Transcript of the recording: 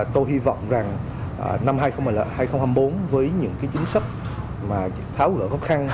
tôi hy vọng rằng năm hai nghìn hai mươi bốn với những chính sách tháo gỡ khó khăn